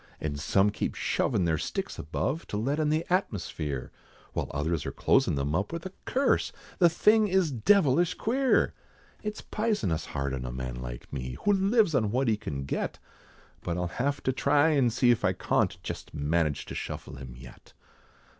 And some keep shovin' their sticks above, To let in the atmosphere, While others are closin' them up with a curse, The thing is devilish queer. It's pisonous hard on a man like me, Who lives on what he can get, But I'll have to try and see if I cawnt, Jest manage to shuffle him yet.